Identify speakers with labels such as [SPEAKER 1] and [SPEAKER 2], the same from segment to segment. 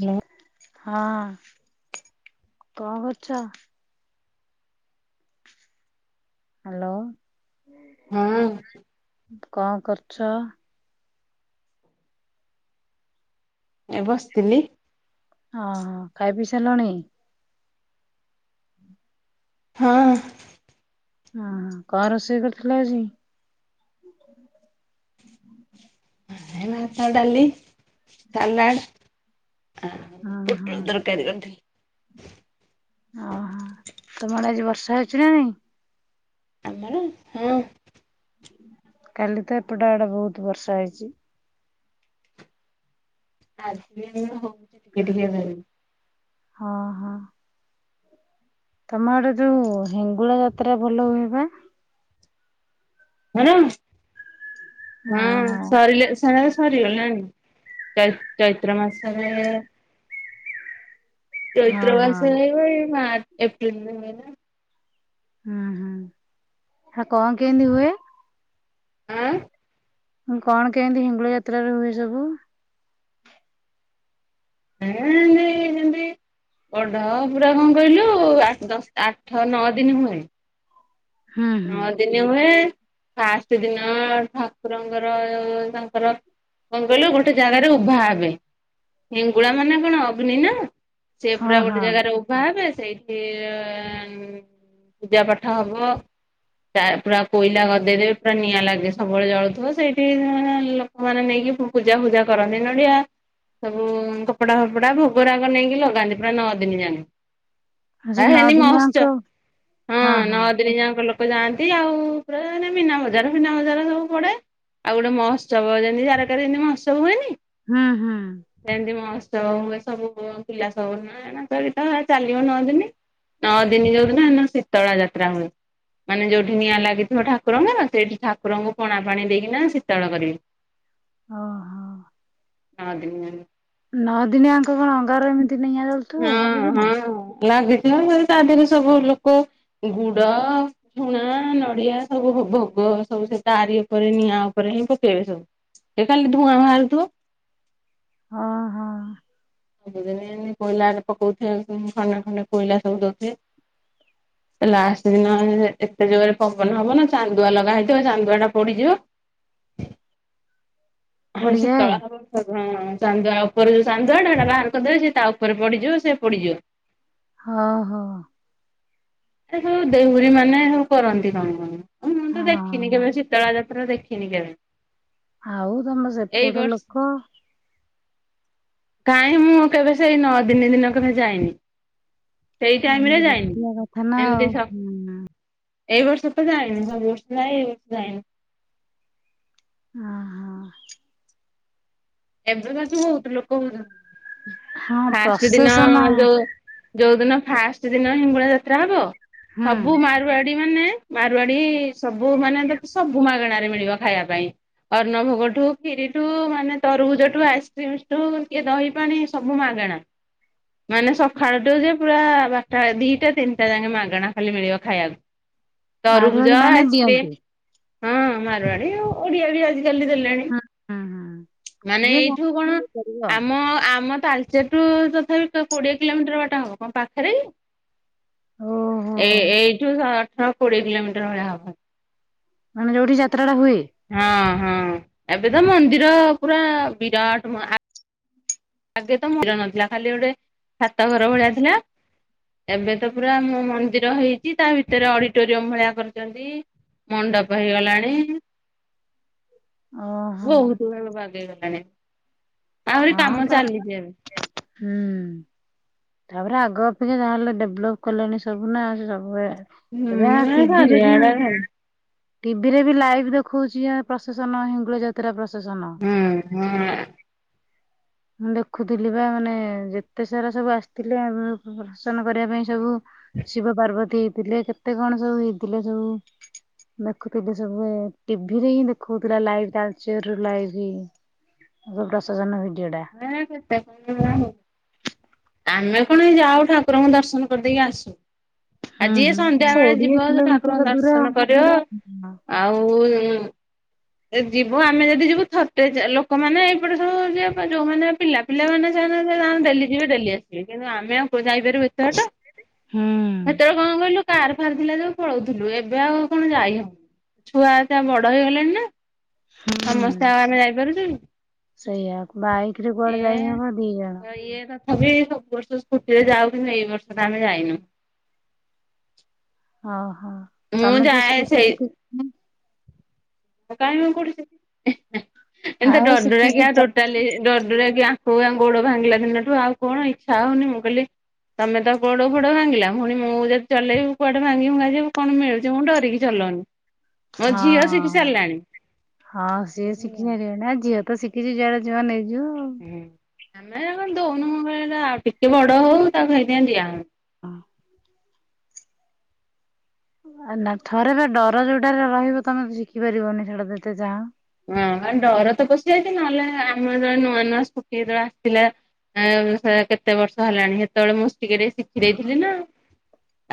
[SPEAKER 1] Hello.
[SPEAKER 2] ହଁ କଣ କରୁଛ? ହ୍ୟାଲୋ,
[SPEAKER 1] ହଁ
[SPEAKER 2] କଣ କରୁଛ?
[SPEAKER 1] ଏ ବସିଥିଲି।
[SPEAKER 2] ଓ ହୋ, ଖାଇ ପିଇ ସାରିଲାଣି?
[SPEAKER 1] ହଁ।
[SPEAKER 2] ଓ ହୋ କଣ ରୋଷେଇ କରିଥିଲ ଆଜି? ହଁ ହ
[SPEAKER 1] ଏ ଭାତ, ଡାଲି, ସାଲାଡ଼ ଆଉ
[SPEAKER 2] ଓହୋ
[SPEAKER 1] ପୋଟଳ ତରକାରୀ କରିଥିଲି।
[SPEAKER 2] ଓହୋ ତମ ଆଡେ ଆଜି ବର୍ଷା ହଉଛି ନା ନାଇଁ?
[SPEAKER 1] ଆମର ହଁ।
[SPEAKER 2] କାଲି ତ ଏପଟ ଆଡେ ବହୁତ ବର୍ଷା ହେଇଛି।
[SPEAKER 1] ଆଜି ହଉଛି ଟିକେ ଟିକେ ଏବେ।
[SPEAKER 2] ହଁ ହଁ। ତମ ଆଡେ ଯୋଉ ହିଙ୍ଗୁଳା ଯାତ୍ରା ଭଲ ହୁଏ ବା?
[SPEAKER 1] [unintelligible] ହଁ ସରିଲେ ସା ସରିଗଲାଣି ଚ-ଚୈତ୍ର ମାସରେ ଚୈତ୍ର
[SPEAKER 2] ହଁ
[SPEAKER 1] ମାସ ଏଇ ବା ଏଇ ମାର୍ଚ୍ଚ ଏପ୍ରିିଲ ରେ ହୁଏ ନା?
[SPEAKER 2] ହୁଁ ହୁଁ ଆ କଣ କେମିତି ହୁଏ?
[SPEAKER 1] ଆଁ
[SPEAKER 2] କଣ କେମିତି ହିଙ୍ଗୁଳା ଯାତ୍ରାରେ ହୁଏ ସବୁ?
[SPEAKER 1] ଏ ଏ ଶେନ୍ତି ଶେନ୍ତି। ପଢ ପୁରା କଣ କହିଲୁ ଆଠ ଦଶ ଆଠ ନଅ ଦିନ ହୁଏ।
[SPEAKER 2] ହୁଁ ହୁଁ
[SPEAKER 1] ହଁ ଦିନେ ଓଳେ ଫାଷ୍ଟ ଦିନ ଠାକୁରଙ୍କର ତାଙ୍କର କଣ କହିଲୁ ଗୋଟେ ଜାଗାରେ ଉଭା ହେବେ, ହିଙ୍ଗୁଳା ମାନେ କଣ ଅଗ୍ନିନା। ସେ
[SPEAKER 2] ହଁ
[SPEAKER 1] ପୁରା ଗୋଟେ
[SPEAKER 2] ହଁ
[SPEAKER 1] ଜାଗାରେ ଉଭା ହେବେ ସେଇଠି ପୂଜା ପାଠ ହବ।
[SPEAKER 2] ହଁ
[SPEAKER 1] ପୁରା କୋଇଲା ଗଦେଇଦେବେ ପୁରା ନିଆଁ ଲାଗେ ସବୁବେଳେ ଜଳୁଥିବ ସେଇଠି ଆଁ ଲୋକମାନେ ନେଇକି ଫୋ ପୂଜା ଫୂଜା କରନ୍ତି ନଡିଆ ସବୁ କପଡା ଫପଡା ଭୋଗ ରାଗ ନେଇକି ଲଗାନ୍ତି ପୁରା ନଅ ଦିନ ଯାଏଁ।
[SPEAKER 2] ସେ
[SPEAKER 1] ଆ
[SPEAKER 2] ନଅ
[SPEAKER 1] ନିି
[SPEAKER 2] ଦିନିଆଙ୍କ
[SPEAKER 1] ମହୋସ୍ଚବ ହଁ ନଅ ଦିନ ଯାଙ୍କ ଲୋକ ଯାଆନ୍ତି ଆଉ ପୁରା ମାନେ ମିନା ବଜାର ଫିନା ବଜାର ସବୁ ପଡେ। ଆଉ ଗୋଟେ ମହୋତ୍ସବ ଯେମିତି ଜାରକାରେ ଯେମିତି ମହତ୍ସବ ହୁଏନି
[SPEAKER 2] ହୁଁ ହୁଁ।
[SPEAKER 1] ସୁ ଏ ସବୁ ପୁଅ ପିଲା ସବୁ [unintelligible] ଚାଲିବ ନ ଦିନି। ନଅ ଦିନ ଯୋଉ ଦିନ ସେଦିନ ଶୀତଳା ଯାତ୍ରା ହୁଏ। ମାନେ ଯୋଉଠି ନିଆଁ ଲାଗିଥିବ ଠାକୁରଙ୍କ ସେଇଠି ଠାକୁରଙ୍କୁ ପଣା ପାଣି ଦେଇକିନା ଶୀତଳ କରିବେ।
[SPEAKER 2] ଓ ହୋ।
[SPEAKER 1] ନଅ ଦିନ ଯାଙ୍କେ
[SPEAKER 2] ନଅ ଦିନ ଯାଙ୍କ କଣ ଅଙ୍ଗାର ଏମିତି ନିଆଁ ଜଳୁଥିବ ସବୁଦିନ?
[SPEAKER 1] ଲାଗିଥିଲା ମ ତା ଦେହରେ ସବୁ ଲୋକ ଗୁଡ, ଝୁଣା, ନଡିଆ ସବୁ ପ୍ ଭୋଗ ସବୁ ସେ ତାରି ଉପରେ ନିଆଁ ଉପରେ ହିଁ ପକେଇବେ ସବୁ। ସେ ଖାଲି ଧୁଆଁ ବାହାରୁ ଥିବ।
[SPEAKER 2] ଅ ହ।
[SPEAKER 1] ସବୁଦିନେ କୋଇଲାରେ ପକଉଥିବେ ଖଣ୍ଡେ ଖଣ୍ଡେ କୋଇଲା ସବୁ ଦଉଥିବେ। ଲାଷ୍ଟ ଦିନ ଏତେ ଜୋରେ ପବନ ହବ ନା ଚାନ୍ଦୁଆ ଲଗା ହେଇଥିବ ଚାନ୍ଦୁଆ ଟା ପଡିଯିବ। ହଁ
[SPEAKER 2] ପୋଡିଯାଏ
[SPEAKER 1] ଶୀତଳା ନବମୀ ହଁ ଚାନ୍ଦୁଆ ଉପରେ ଚାନ୍ଦୁଆ ଟା ବାହାର କରିଦେବେ, ସେ ତା ଉପରେ ପଡିଯିବ ସେ ପଡିଯିବ।
[SPEAKER 2] ହଁ ହଁ।
[SPEAKER 1] ଏ ସବୁ ଡେହୁରୀ ମାନେ କରନ୍ତି କଣ କଣ ମୁଁ ତ ଦେଖିନି
[SPEAKER 2] ହଁ।
[SPEAKER 1] କେବେ ଶୀତଳା ପୁରା ଦେଖିନି କେବେ।
[SPEAKER 2] ଆଉ ତମର
[SPEAKER 1] ଏଇ
[SPEAKER 2] ସେପଟ
[SPEAKER 1] ବର୍ଷ
[SPEAKER 2] ଲୋକ,
[SPEAKER 1] କାହିଁ ମୁଁ କେବେ ସେଇ ନଅ ଦିନି ଦିନ କେବେ ଯାଇନି। ସେଇ ଟାଇମ ରେ ଯାଇନି।
[SPEAKER 2] ହେମା ଆଉ
[SPEAKER 1] ଏମିତି ସ
[SPEAKER 2] ହଁ
[SPEAKER 1] ଏଇ ବର୍ଷ ତ ଯାାଇନି, ସବୁ ବର୍ଷ ଯାଏ, ଏଇ ବର୍ଷ ଯାଇନ।
[SPEAKER 2] ଆହା
[SPEAKER 1] ଏବେ ସେଠି ବହୁତ ଲୋକ ହଉଛନ,
[SPEAKER 2] ହଁ
[SPEAKER 1] ଫାଷ୍ଟ ଦିନ
[SPEAKER 2] ପ୍ରସେସନ
[SPEAKER 1] ଯୋଉ ଯୋଉ ଦିନ ଫାଷ୍ଟ ଦିନ ହିଙ୍ଗୁଳା ଯାତ୍ରା ହବ,
[SPEAKER 2] ହୁଁ
[SPEAKER 1] ସବୁ ମାରୁଆଡି ମାନେ ମାରୂଆଡି ସବୁ ମାନେ ତ ସବୁ ମାଗଣାରେ ମିଳିବ ଖାଇବା ପାଇଁ। ଅର୍ଣ ଭୋଗଠୁ କ୍ଷିରୀଠୁ ମାନେ ତାରବୁଜ ଠୁ ଆଇସ୍କ୍ରିମ ଠୁ କିଏ ଦହି ପାଣି ସବୁ ମାଗଣା। ମାନେ ସକାଳଠୁ ଯେ ପୁରା ବାରଟା ଦିଟା ତିନିଟା ଯାଏ ମାଗଣା ଖାଲି ମିଳିବ ଖାଇବାକୁ। ତରୁବୁଜ
[SPEAKER 2] ମାଢୁଆଳି ମାନେ
[SPEAKER 1] ଆଇସକ୍ରିମ।
[SPEAKER 2] ଦିଅନ୍ତି
[SPEAKER 1] ହଁ ମାରୁଆଡ଼ି, ଅ ଓଡିଆ ବି ଆଜିିକାଲି ଦେଲାଣି।
[SPEAKER 2] ହୁଁ ହୁଁ ହୁଁ
[SPEAKER 1] ମାନେ
[SPEAKER 2] ଯିଏ ଯାହା
[SPEAKER 1] ଏଇଠୁ କଣ
[SPEAKER 2] ଦେଇପାରିବ
[SPEAKER 1] ଆମ ଆମ ତାଳଚେର ଠୁ ତଥାପି ତ କୋଡିଏ କିଲୋମିଟର ବାଟ ହବ କ'ଣ ପାଖରେ ହିଁ?
[SPEAKER 2] ଓହୋ
[SPEAKER 1] ଏ ଏଇଠୁ ଆଠୋର କୋଡିଏ କିଲୋମିଟର ହବ ଯାହା ହବ।
[SPEAKER 2] ମାନେ ଯୋଉଠି ଯାତ୍ରା ଟା ହୁଏ?
[SPEAKER 1] ହଁ ହଁ ଏବେ ତ ମନ୍ଦିର ପୁରା ବିରାଟ ମହା ଆଗେ ମନ୍ଦିର ନଥିଲା ଖାଲି ଗୋଟେ ଛାତ ଘର ଭଳିଆ ଥିଲା। ଏବେ ତ ପୁରା ମୋ ମନ୍ଦିର ହେଇଛି ତା ଭିତରେ ଅଡିଟୋରିୟମ ଭଳିଆ କରିଛନ୍ତି। ମଣ୍ଡପ ହେଇଗଲାଣି।
[SPEAKER 2] ଓହୋ
[SPEAKER 1] ବହୁତ ଗୁଡାଏ ବାଗେଇ ଗଲାଣି।
[SPEAKER 2] ହଁ ତ, ହୁଁ। ତାପରେ ଆଗ ଅପେକ୍ଷା ଯାହାହେଲେ ଡେଭଲପ୍ କଲେଣି ସବୁନା ସବୁବେଳେ ଏବେ ଆ
[SPEAKER 1] ହୁଁ
[SPEAKER 2] ଟିଭିରେ ବି,
[SPEAKER 1] ଚାରିଆଡେ ହୁଁ
[SPEAKER 2] ଟିଭିରେ ବି ଲାଇଭ୍ ଦେଖଉଛି ଇଏ ପ୍ରସେଶନ ହିଙ୍ଗୁଳ ଯାତ୍ରା ପ୍ର ପ୍ରସେସନ
[SPEAKER 1] ହଁ
[SPEAKER 2] ମୁଁ ଦେଖୁଥିଲି ବା ମାନେ ଯେତେ ସାରା ସବୁ ଆସିଥିଲେ ଉମ ଆଁ ଦର୍ସନ କରିବା ପାଇଁ ସବୁ ଶିବ ପାର୍ବତୀ ହେଇଥିଲେ। କେତେ କ'ଣ ସବୁ ହେଇଥିଲେ ସବୁ। ଦେଖୁଥିଲି ସବୁ ଏ ଟିଭିରେ ହିଁ ଦେଖେଉଥିଲା ଲାଏଫ ତାଳଚେର ର ଲାଇଭ ହିଁ ଦୁର୍ଗା ବିସର୍ଜନ ହେଇନି।
[SPEAKER 1] [inaudible] ଆମେ ପୁଣି ଯାଉ ଠାକୁରଙ୍କୁ ଦର୍ଶନ କରିଦେଇ ଆସୁ। ଆ
[SPEAKER 2] ହୁଁ
[SPEAKER 1] ଯିଏ
[SPEAKER 2] ହୁଁ।
[SPEAKER 1] ସନ୍ଧ୍ୟା ବେଳେ
[SPEAKER 2] କୋଡିଏ
[SPEAKER 1] ଯିବ ସେ
[SPEAKER 2] କିଲୋମିଟର
[SPEAKER 1] ଠାକୁରଙ୍କୁ
[SPEAKER 2] ଦୂର।
[SPEAKER 1] ଦର୍ଶନ କରିବ। ଆଉ ହୁଁ। ଏଇ ଯିବ ଆମେ ଯଦି ଯିବୁ ଥଟେଚା ଲୋକମାନେ ଏଇପଟେ ସବୁ ଯିଏ ଵା ଯୋଉମାନେ ପିଲା ପିଲାମାନେ ସ ପିଲାମାନେ ସେ ତାଙ୍କ ଡେଲି ଯିବେ ଡେଲି ଆସ ଠିକ କିନ୍ତୁ ଆମେ ଆଉ କୋଉ ଯାଇପାରିବୁ ଏତେ ବାଟ?
[SPEAKER 2] ହୁଁ
[SPEAKER 1] ସେତେବେଳେ କଣ କହିଲୁ। କାର ଫାର ଥିଲା ଯଉଁ ପଳଉଥିଲୁ, ଏବେ ଆଉ କଣ ଯାଇହଉନି, ଛୁଆ ତା ବଡ ହେଇଗଲାଣି ନା।
[SPEAKER 2] ହୁଁ।
[SPEAKER 1] ସମସ୍ତେ ଆଉ ଆମେ ଯାଇପାରୁଛୁ?
[SPEAKER 2] ସେଇଆ ବାଇକ ରେ କୁଆଡେ ଯାଇ ହବ ଦି ଜଣ।
[SPEAKER 1] ହଁ ଯେ, ସବୁ ବର୍ଷ ସ୍କୁଟିରେ ଯାଉଥିଲୁ, ଏଇ ବର୍ଷଟା ଆମେ ଯାଇନୁ।
[SPEAKER 2] ଓହୋ,
[SPEAKER 1] ମୁଁ
[SPEAKER 2] ତମେ ତ
[SPEAKER 1] ଯାଏ
[SPEAKER 2] ସ୍କୁଟି ଶିଖିଛ?
[SPEAKER 1] କାହିଁ ଆଉ କଉଠି ଶିଖି [inaudible] ଏମିତିଆ
[SPEAKER 2] ଆଉ
[SPEAKER 1] ଡରଡ଼ରିଆକି
[SPEAKER 2] ଶିଖିଛି
[SPEAKER 1] ଆଉ
[SPEAKER 2] ତ
[SPEAKER 1] ଟୋଟାଲି ଡରଡରିଆକି ଆଉ ହଉ ଆ ଗୋଡ ଭାଙ୍ଗିଲା ଦିନଠୁ ଆଉ କଣ ଇଚ୍ଛା ହଉନି ମୁଁ କହିଲି ତମେ ତ ଗୋଡ଼ ଫୋଡ ଭାଙ୍ଗିଲା ପୁଣି ମୁଁ ଯଦି ଚଲେଇବି କୁଆଡେ ଭାଙ୍ଗି ଭୁଙ୍ଗା ଯିବି କଣ ମିଳୁଛି ମୁଁ ଡରିକି ଚଲଉନି। ମୋ ଝିଅ ଶିଖି
[SPEAKER 2] ହଁ
[SPEAKER 1] ସାରିଲାଣି।
[SPEAKER 2] ହଁ ସେ
[SPEAKER 1] ହୁଁ
[SPEAKER 2] ଶିଖିପାରିବେନା ଝିଅ ତ ଶିଖିଛି ଯୁଆଡେ ଜିଵ ନେଇକି
[SPEAKER 1] ହୁଁ ଆମେ କଣ ଦଉନୁ ମୁ କହିଲି ଟିକେ ବଡ ହଉ ତାକୁ ହେଇଥିପାଇଁ ଦିଆହୋଉନି।
[SPEAKER 2] ଆଉ। ନା ଥରେ ବା ଡର ଯୋଉଟାରେ ରହିବ ତମେ ତ ଶିଖି ପାରିବନି ସେଟା ଯେତେ ଚାହଁ।
[SPEAKER 1] ହ ଡର ତ ପଶିଯାଇଛି ନହେଲେ ଆମର ଜଉ ନୂଆ ନୂଆ ସ୍କୁଟି ଯେତେବେଳେ ଆସିଥିଲା ଏ କେତେ ବର୍ଷ ହେଲାଣି ହେତେବେଳେ ମୁଁ ଟିକେ ଟିକେ ଶିଖି ଦେଇଥିଲି ନା।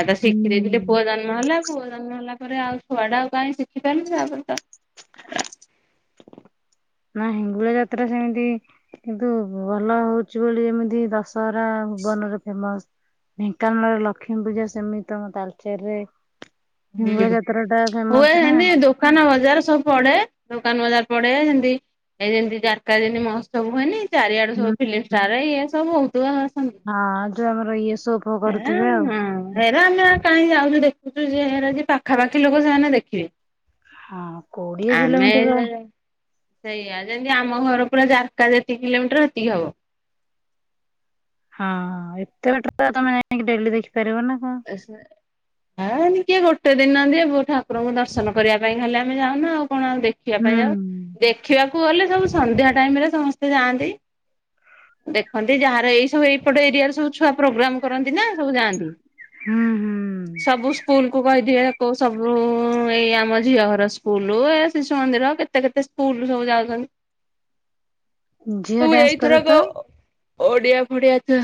[SPEAKER 1] ଆଉ ତ ଶିଖି ଦେଇଥିଲି ପୁଅ
[SPEAKER 2] ହୁଁ।
[SPEAKER 1] ଜନ୍ମ ହେଲା ପୁଅ ଜନ୍ମ ହେଲା ପରେ ଆଉ ଛୁଆଡା କାଁଇ ଶିଖି ପାରିଲି ତା ପରେତ
[SPEAKER 2] ନା ହିଙ୍ଗୁଳା ଯାତ୍ରା ସେମିତି କିନ୍ତୁ ଭଲ ହଉଛି ବୋଲି ଯେମିତି ଦଶ ସହରା ଭୁବନରେ ଫେମସ ଢେଙ୍କାନାଳର ଲକ୍ଷ୍ମୀ ପୂଜା ସେମିତି ତମ ତାଲଚେରରେ
[SPEAKER 1] ହୁଁ
[SPEAKER 2] ହିଙ୍ଗୁଳା ଯାତ୍ରା ଟା
[SPEAKER 1] ହୁଏ
[SPEAKER 2] ଫେମସ ନା।
[SPEAKER 1] ହେନ୍ତି। ଦୋକାନ ବଜାର ସବୁ ପଡେ ଦୋକାନ ବଜାର ପଡେ ଯେମିତି ଏଇ ଯେମିତି ଯାର୍କା ଯେମିତି ମହୋତ୍ସବ ହୁଏନି? ଚାରିଆଡୁ
[SPEAKER 2] ହୁଁ
[SPEAKER 1] ସବୁ ଫିଲ୍ମ ଷ୍ଟାର ଇଏ ସବୁ ବହୁତ୍
[SPEAKER 2] ହଁ ଯୋଉ ଆମର ଇଏ ସୋ ଫୋ
[SPEAKER 1] ଏ
[SPEAKER 2] କରୁଥିବେ ଆଉ।
[SPEAKER 1] ହଁ ହେରା ଆମେ କାହିଁ ଯାଉଛୁ ଦେଖୁଛୁ ସେ ହେରା ଯେ ପାଖାପାଖି ଲୋକ ସେମାନେ ଦେଖିବେ।
[SPEAKER 2] ହଁ କୋଡ଼ିଏ
[SPEAKER 1] ଆମେ
[SPEAKER 2] କିଲୋମିଟର
[SPEAKER 1] ସେଇଆ ଯେମିତି ଆମ ଘର ପୁରା ଜାର୍କା ଯେତିକି କିଲୋମିଟର ସେତିକି ହବ।
[SPEAKER 2] ହଁ ଏତେ ବାଟ ତମେ ଯାଇଙ୍କି ଡେଲି ଦେଖ
[SPEAKER 1] ଏସେ ହା ହେଉନି। କେ ଗୋଟେ ଦିନଦିଏ ଠାକୁରଙ୍କୁ ଦର୍ଶନ କରିବା ପାଇଁ ଖାଲି ଆମେ ଯାଉନ ଆଉ। କଣ ଆଉ ଦେଖିବା ପାଇଁ
[SPEAKER 2] ହୁଁ
[SPEAKER 1] ଯାଉ ଦେଖିବାକୁ ଗଲେ ସବୁ ସନ୍ଧ୍ୟା ଟାଇମ ରେ ସମସ୍ତେ ଯାଆନ୍ତି। ଦେଖନ୍ତି ଯାହାର ଏଇ ସବୁ ଏଇପଟ ଏରିଆରେ ସବୁ ଛୁଆ ପ୍ରୋଗ୍ରାମ କର ନା ସବୁ ଯାଆନ୍ତି।
[SPEAKER 2] ହୁଁ ହୁଁ
[SPEAKER 1] ସବୁ ସ୍କୁଲ କୁ କହିଥିବେ କୋଉ ସବୁ ହଁ ଏଇ ଆମ ଝିଅ ହର ଷ୍କୁ ସ୍କୁଲ ଏ ଶିଶୁ ମନ୍ଦିର କେତେ କେତେ ସ୍କୁଲ ସବୁ ଯାଉଛନ୍ତି।
[SPEAKER 2] ଝିଅ
[SPEAKER 1] ହ
[SPEAKER 2] ଡ୍ୟାନ୍ସ କରେ
[SPEAKER 1] ଏଇଥରକ
[SPEAKER 2] ତ?
[SPEAKER 1] ପଡିଆ ଫଡିଆ ଛୁଆ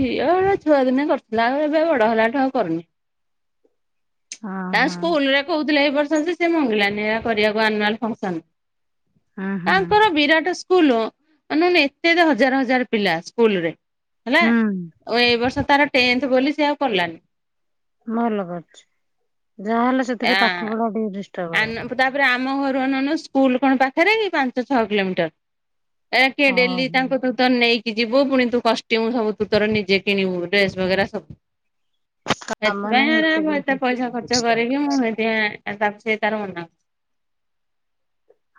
[SPEAKER 1] ଝିଅ ଛୁଆ ଦିନେ କରୁଥିଲା। ଆଉ ଏବ ବଡ ହେଲାଠୁ ଆଉ କରୁନି।
[SPEAKER 2] ହଁ
[SPEAKER 1] ତା
[SPEAKER 2] ହଁ
[SPEAKER 1] ସ୍କୁଲରେ କହୁଥିଲେ ଏ ବର୍ଷ ଛନ୍ତି ଯେ ସେ ମଙ୍ଗିଲାନି ହେରା କରିବାକୁ ଆନୁଆଲ ଫଙ୍କସନ।
[SPEAKER 2] ହୁଁ ହୁଁ
[SPEAKER 1] ତାଙ୍କର ବିରାଟ ସ୍କ ସ୍କୁଲ ଅନୌନ ଏତେ ଏତେ ହଜାର ହଜାର ପିଲା ସ୍କୁଲ ରେ। ହେଲା
[SPEAKER 2] ହୁଁ
[SPEAKER 1] ଏ ବର୍ଷ ତାର ଟେନ୍ଥ ବୋଲି ସେ ଆଉ କରଲାନି।
[SPEAKER 2] ଭଲ କରିଛି ଯାହାହଲେ ସେଥିରେ ପାଠ ପଢା ଟିକେ ଡିସ
[SPEAKER 1] ଆନ ତାପରେ ଆମ ଘରୁ ଅନୌନୁ ସ୍କୁଲ କଣ ପାଖରେ କି ପାଞ୍ଚ ଛଅ କିଲୋମିଟର। ଏରା କିଏ ଡେଲି
[SPEAKER 2] ଓହୋ
[SPEAKER 1] ତାଙ୍କୁ ତୁ ତ ନେଇକି କି ଯିବୁ ପୁଣି ତୁ କଷ୍ଟ୍ୟୁମ ସବୁ ତୁ ତୋର ନିଜେ କିଣିବୁ ଡ୍ରେସ ବଗେରା ସବୁ। ଏଥିପାଇଁ ଏରା ଆ ମୁ ଏତେ ପଇସା ଖର୍ଚ୍ଚ କରିକି ମୁଁ ସେଥିପାଇଁ ତା ତାର ମନା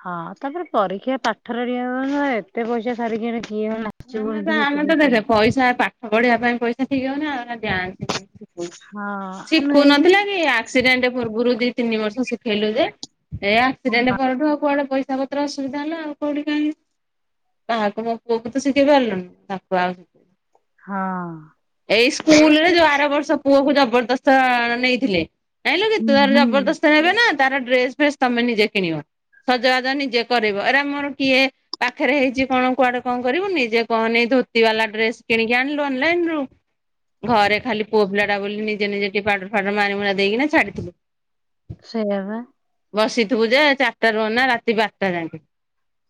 [SPEAKER 2] ହଁ ତାପରେ ପରୀକ୍ଷା ପାଠରେ ଟିକେ ଏତେ ପଇସା ସାରିକିରି
[SPEAKER 1] ଆମେ ତ ଆମେ ତ ଦେଖେ ପଇସା ପାଠ ପଢିବା ପାଇଁ ପଇସା ଠିକ୍ ହଉନି ଅ ଅନା ଡାନ୍ସ ଶିଖୁଛି।
[SPEAKER 2] ହଁ ଆ ନୁହେଁ
[SPEAKER 1] ଶିଖୁନଥିଲା କି ଆକ୍ସିଡେଣ୍ଟ ପୂର୍ବରୁ ଦି ତିନି ବର୍ଷ ଶିଖେଇଲୁ ଯେ ଏ ଆକ୍ସିଡେଣ୍ଟ ପରଠୁ ଆଉ କୁଆଡେ ପଇସା ପଇସା ପତ୍ର ଅସୁବିଧା ହେଲା ଆଉ କୋଉଠି କାଁଇ କାହାକୁ ମୋ ପୁଅକୁ ଶିଖେଇ ପାରିଲୁନି ତାକୁ ଆଉ ଶିଖ
[SPEAKER 2] ହଁ
[SPEAKER 1] ଏଇ ସ୍କୁଲରେ ଯୋଉ ଆର ବର୍ଷ ପୁଅକୁ ଜବରଦସ୍ତ ନେଇଥିଲେ ଯାଇଁଲୁକି
[SPEAKER 2] ହୁଁ
[SPEAKER 1] ତୁର
[SPEAKER 2] ହୁଁ।
[SPEAKER 1] ଜବରଦସ୍ତ ନେବେ ନା ତାର ଡ୍ରେସ ଫ୍ରେସ୍ ତମେ ନିଜେ କିଣିବ। ସଜବାଜ ନିଜେ କରିବ ଏରା ମୋର କିଏ ପାଖରେ ହେଇଛି କଣ କୁଆଡେ କଣ କରିବୁ ନିଯେ କହନି ଧୋତି ବାଲା ଡ୍ରେସ କିଣିକି ଆଣିଲୁ ଅନଲାଇନରୁ ଘରେ ଖାଲି ପୁଅ ପିଲା ଟା ବୋଲି ନିଜେ ନିଜେ ଟି ପାଉଡର ଫାଉଡର ମାରିମୁରା ଦେଇକିନା ଛାଡିଥିଲି।
[SPEAKER 2] ସେୟାବା
[SPEAKER 1] ବସିଥିବୁ ଯେ ଚାରିଟା ରୁହନା ରାତି ବାରଟା ଯାଏଁକେ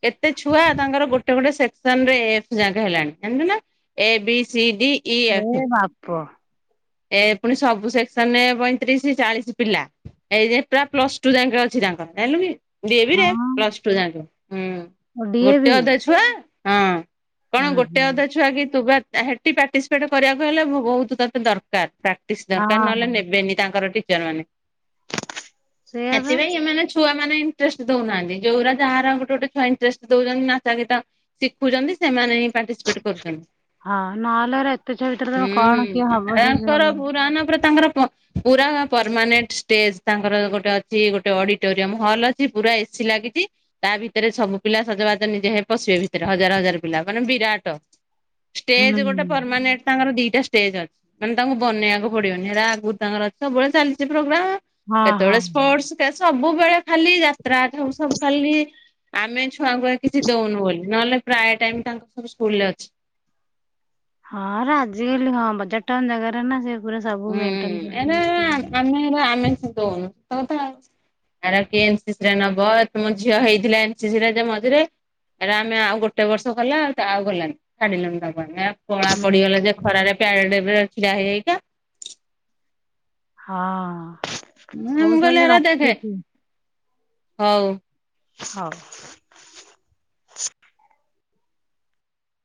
[SPEAKER 1] କେତେ ଛୁଆ ତାଙ୍କର ଗୋଟେ ଗୋଟେ ସେକ୍ ଶନ ରେ ଏଫ୍ ଯାକ ହେଲାଣି ଜାଣିଚୁ ନା A B C D E F
[SPEAKER 2] ଏ ବାପ।
[SPEAKER 1] ଏ ପୁଣି ସବୁ ସେକ୍ସନରେ ପଇଁତିରିଶ ଚାଳିଶ ପିଲା ଏଇ ଯେ ପ୍ରା ପ୍ଲସ ଟୁ ଯାଇକେ ଅଛି ତାଙ୍କର ଜାଇଲୁ କି ଡି ଏ ଭି ରେ
[SPEAKER 2] ହଁ
[SPEAKER 1] ପ୍ଲସ ଟୁ ଜାଁକ ହୁଁ
[SPEAKER 2] ଓ ଡିଏ ବି
[SPEAKER 1] ଗୋଟେ ଅଧେ ଛୁଆ ହଁ। କଣ
[SPEAKER 2] ହୁଁ
[SPEAKER 1] ଗୋଟେ
[SPEAKER 2] ହୁଁ
[SPEAKER 1] ଅଧେ ଛୁଆ କି ତୁ ବା ସେଠି ପାର୍ଟିସିପେଟ କରିବାକୁ ହେଲେ ବହୁତ ତତେ ଦରକାର ପ୍ରାକ୍ଟିସ ଦରକାର ନହେଲେ
[SPEAKER 2] ହଁ
[SPEAKER 1] ନେବେନି ତାଙ୍କର ଟିଚର ମାନେ
[SPEAKER 2] ସେଇଆ ବା
[SPEAKER 1] ଏଥିପାଇଁ ଏମାନେ ଛୁଆ ମାନେ ଇଣ୍ଟରେଷ୍ଟ ଦଉନାହାନ୍ତି ଯୋଉା ଯାହାର ଗୋଟେ ଗୋଟେ ଛୁଆ ଇଣ୍ଟରେଷ୍ଟ ଦଉଛନ୍ତି ନାଚ ଗୀତ ଶିଖୁଛନ୍ତି। ସେମାନେ ହି ପାଟିସିପେଟ କରୁଛନ୍ତି
[SPEAKER 2] ହଁ ନହେଲେ ଏରା ଏତେ ଛୁଆ ଭିତରେ ତମେ କଣ କିଏ ହବ
[SPEAKER 1] ହଁ
[SPEAKER 2] ଯେ ସେ
[SPEAKER 1] ତୋର
[SPEAKER 2] ହୁଁ
[SPEAKER 1] ପୁରାନା ପୁରା ତାଙ୍କର ପୁରା ପରମାନେଣ୍ଟ ଷ୍ଟେଜ ତାଙ୍କର ଗୋଟେ ଅଛି ଗୋଟେ ଅଡିଟୋରିୟମ ହଲ୍ ଅଛି ପୁରା ଏସି ଲାଗି ଛି ତା ଭିତରେ ସବୁ ପିଲା ସଜବାଜ ନିଜେ ହେ ପଶିବେ ଭିତରେ ହଜାର ହଜାର ପିଲା ମାନେ ବିରାଟ ଷ୍ଟେଜ ଗୋଟେ
[SPEAKER 2] ହଁ
[SPEAKER 1] ପରମାନେଣ୍ଟ ତାଙ୍କର ଦିଟା ଷ୍ଟେଜ ଅଛି। ମାନେ ତାଙ୍କୁ ବନେଇବାକୁ ପଡିବନି ଏଟା ଆଗରୁ ତାଙ୍କର ଅଛି ସବୁବେଳେ ଚାଲିଛି ପ୍ରୋ
[SPEAKER 2] ହଁ
[SPEAKER 1] କେତେବେଳେ ସ୍ପୋର୍ଟସ କେ ସବୁବେଳେ ଖାଲି ଯାତ୍ରା ସବୁ ସବୁ ଖାଲି ଆମେ ଛୁଆଙ୍କୁୁ କିଛି ଦଉନୁ ବୋଲି ନହେଲେ ପ୍ରାୟ ଟାଇମ ତାଙ୍କ ସବୁ ସ୍କୁଲରେ ଅଛି।
[SPEAKER 2] ହଁ ଆଜିକାଲି ହଁ ବଜାର ଟାଉନ୍ ଜାଗାରେ ନା ସେ ପୂରା ସବୁ
[SPEAKER 1] ହୁଁ
[SPEAKER 2] ମେଣ୍ଟେନ କରି କି।
[SPEAKER 1] ଦୌନୁ ସତ କଥା ଆର କିଏ ଏନ୍ ସି ସି ନବ ତମ ଝିଅ ହେଇଥିଲା ଏନ ସି ସି ରେ ମଝିରେ ଏରା ଆମେ ଆଉ ଗୋଟେ ବର୍ଷ କଲା ତା ଆଉ ଗଲାନି ଛାଡିଲୁନି ତାଙ୍କୁ ଆମେ କଳା
[SPEAKER 2] ହୁଁ
[SPEAKER 1] ପଡିଗଲା ଯେ ଖରାରେ ପ୍ୟାରେଡ୍ରେ ଛିଡା ହେଇ ହେଇ କା
[SPEAKER 2] ହଁ
[SPEAKER 1] ମୁଁ
[SPEAKER 2] ହଉ
[SPEAKER 1] ମୁ କହିଲି
[SPEAKER 2] ତାହେଲେ
[SPEAKER 1] ହେରା ଦେଖେ
[SPEAKER 2] ରଖୁଛି
[SPEAKER 1] ହଉ
[SPEAKER 2] ହଉ